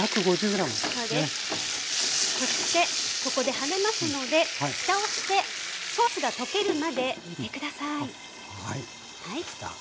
そしてここで跳ねますのでふたをしてソースがとけるまで煮て下さい。